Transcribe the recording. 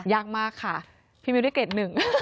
ยากมากค่ะพี่มิวได้เกรดหนึ่ง